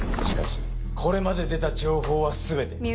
しかしこれまで出た情報は全て。